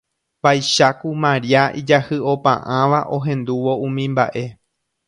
Vaicháku Maria ijahy'opa'ãva ohendúvo umi mba'e